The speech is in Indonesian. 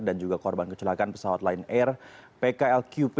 dan juga korban kecelakaan pesawat line air pkl qp